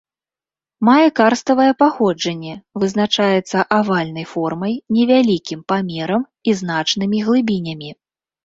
Мае карставае паходжанне, вызначаецца авальнай формай, невялікім памерам і значнымі глыбінямі.